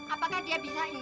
apakah dia bisa insaf